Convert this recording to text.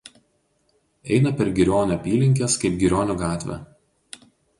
Eina per Girionių apylinkes kaip Girionių gatvė.